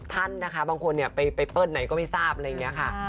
ท่านนะคะบางคนไปเปิ้ลไหนก็ไม่ทราบอะไรอย่างนี้ค่ะ